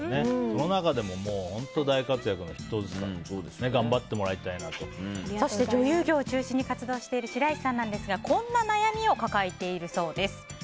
その中でも大活躍の筆頭ですからそして女優業を中心に活動している白石さんなんですがこんな悩みを抱えているそうです。